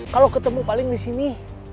kalau ketemu paling disini